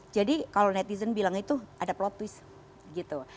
jadi kalau netizen bilang itu ada plot twist gitu